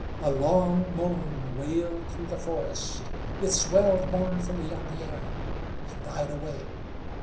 A long moan wailed through the forest. It swelled mournfully on the air, and died away.